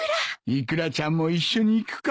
イクラちゃんも一緒に行くか。